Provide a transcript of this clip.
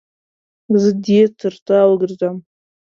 زه دې تر تا وګرځم.